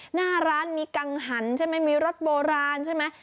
หน้าร้านมีกังหันใช่ไหมมีรถโบราณใช่ไหม